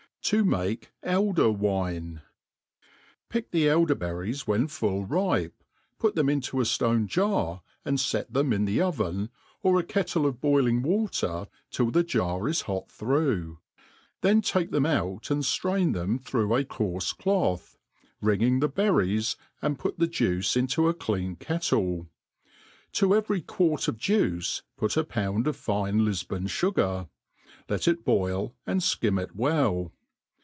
To make Elder Wine^ PICK the eldcr.bcrrie« when full ripe, put them into a ftonc jar, and fet them in the oven, or a kettle of boiling water till the jar is hot through; then take them out andftraln them through a coarfe cloth, wringing the berries, and put the juice into a clean kettle : to every quart of juice put a pound of fine Liftwn fugar, let it boil and (kirn it well.